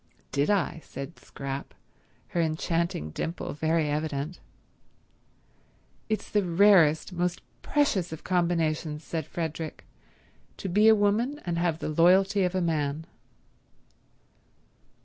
"Did I?" said Scrap, her enchanting dimple very evident. "It's the rarest, most precious of combinations," said Frederick, "to be a woman and have the loyalty of a man."